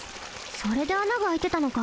それであながあいてたのか。